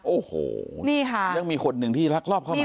โอ้โหนี่ค่ะยังมีคนหนึ่งที่รักรอบเข้ามา